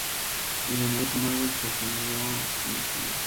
El Universo Marvel se ha sumido en la oscuridad.